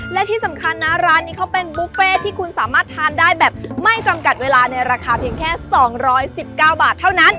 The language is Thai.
และที่สำคัญนะร้านนี้เขาเป็นบุฟเฟ่ที่คุณสามารถทานได้แบบไม่จำกัดเวลาในราคาเพียงแค่๒๑๙บาทเท่านั้น